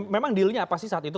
memang dealnya apa sih saat itu